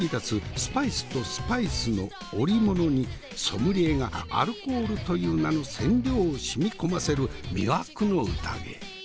スパイスとスパイスの織物にソムリエがアルコールという名の染料を染み込ませる魅惑の宴。